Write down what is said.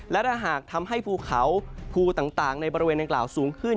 และถ้าหากทำให้ภูเขาภูต่างในบริเวณดังกล่าวสูงขึ้น